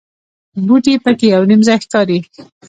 بوټي په کې یو نیم ځای ښکاري.